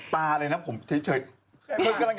แล้วแล้วแล้ว